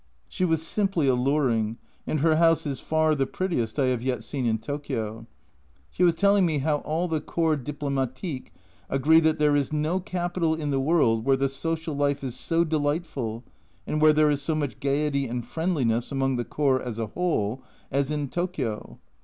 She was simply alluring, and her house is far the prettiest I have yet seen in Tokio. She was telling me how all the Corps Diplomatique agree that there is no capital in the world where the social life is so delightful, and where there is so much gaiety and friendliness among the Corps as a whole, as in Tokio.